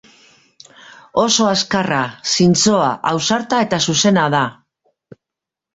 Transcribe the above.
Oso azkarra, zintzoa, ausarta eta zuzena da.